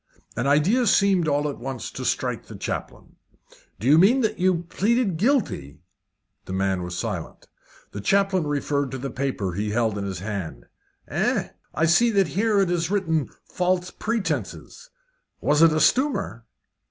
An idea seemed all at once to strike the chaplain. "Do you mean that you pleaded guilty?" The man was silent. The chaplain referred to a paper he held in his hand. "Eh, I see that here it is written 'false pretences.' Was it a stumer?"